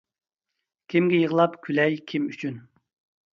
كىمگە يىغلاپ، كۈلەي كىم ئۈچۈن؟ !